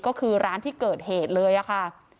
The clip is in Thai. ก็คือร้านที่เกิดเหตุเลยค่ะ